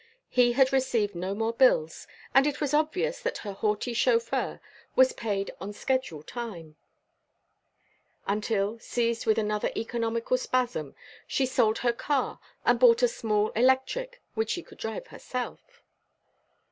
He had received no more bills, and it was obvious that her haughty chauffeur was paid on schedule time, until, seized with another economical spasm, she sold her car and bought a small electric which she could drive herself.